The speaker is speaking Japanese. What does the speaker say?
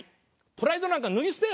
プライドなんか脱ぎ捨てえ！